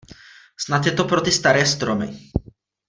Snad je to pro ty staré stromy.